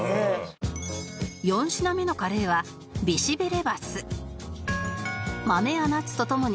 ４品目のカレーはビシベレバス